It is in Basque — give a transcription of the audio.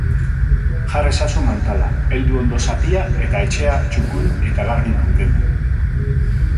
Jar ezazu mantala, heldu ondo zapia eta etxea txukun eta garbi mantendu.